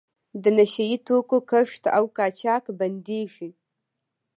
د نشه یي توکو کښت او قاچاق بندیږي.